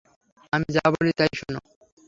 আমি যা বলি তাই শোনো।